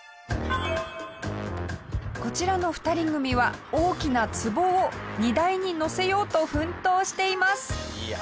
こちらの２人組は大きな壺を荷台に載せようと奮闘しています。